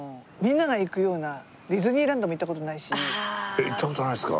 えっ行った事ないんですか？